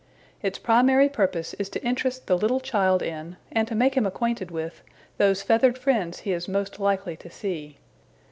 Its primary purpose is to interest the little child in, and to make him acquainted with, those feathered friends he is most likely to see.